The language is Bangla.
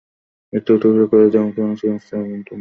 এক টুকরা কলিজা মুখে দিয়ে হিংস্র জন্তুর ন্যায় চিবাতে থাকে।